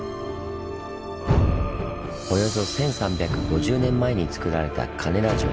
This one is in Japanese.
およそ１，３５０年前につくられた金田城。